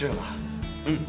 うん。